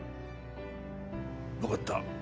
分かった